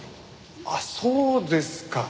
あっそうですか。